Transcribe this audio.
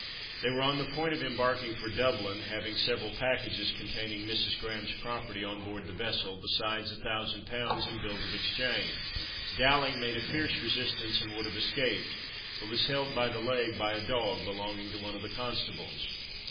They were on the point of embarking for Dublin, having several packages containing Mrs. Graham's property on board the vessel, besides 1000 pounds in Bills of Exchange. Dowling made a fierce resistance, and would have escaped, but was held by the leg by a dog belonging to one of the constables.